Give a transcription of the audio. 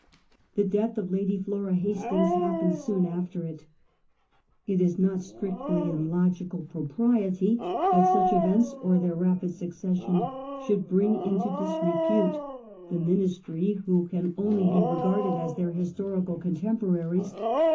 The death of Lady Flora Hastings happened soon after it. It is not strictly in logical propriety that such events, or their rapid succession, should tend to bring into disrepute the Ministry who 142 A HISTORY OF OUR OWN TIMES. CH. TI. can only be regarded as tbeir historical contem poraries.